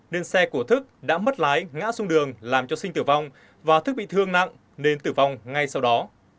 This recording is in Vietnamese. nên xe của thức đã mất lái ngã xuống đường làm cho sinh tử vong và thức bị thương nặng nên tử vong ngay sau đó